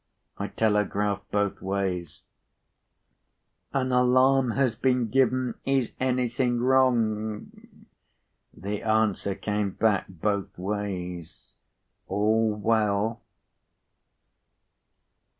I telegraphed both ways: 'An alarm has been given. Is anything wrong?' The answer came back, both ways: 'All well.